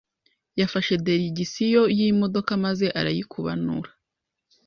Yafashe diregisiyo y'imodoka maze arayikubanura,